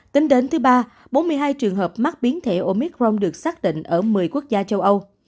tính đến thứ ba bốn mươi hai trường hợp mắc biến thể omicron được xác định ở một mươi quốc gia châu âu